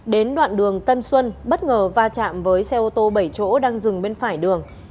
đến đoạn đường tân xuân bất ngờ va chạm với xe ô tô bảy chỗ đang dừng bên phải đường